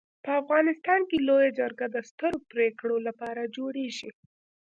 په افغانستان کي لويه جرګه د سترو پريکړو لپاره جوړيږي.